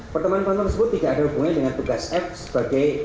pertemuan pertemuan tersebut tidak ada hubungannya dengan tugas f sebagai